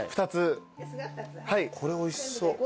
これおいしそう。